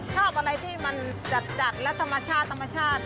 ชอบอะไรที่มันจัดและธรรมชาติ